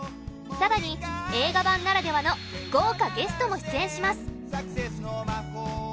更に映画版ならではの豪華ゲストも出演します。